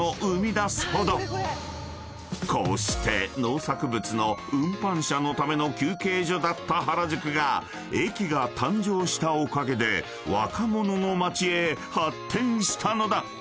［こうして農作物の運搬者のための休憩所だった原宿が駅が誕生したおかげで若者の街へ発展したのだ］